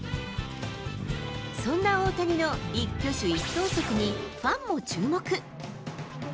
そんな大谷の一挙手一投足にファンも注目。